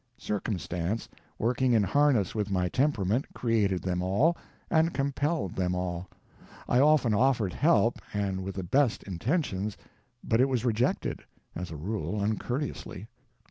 Circumstance, working in harness with my temperament, created them all and compelled them all. I often offered help, and with the best intentions, but it was rejected—as a rule, uncourteously.